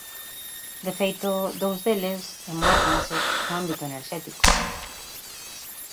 De feito, dous deles enmárcanse no ámbito enerxético.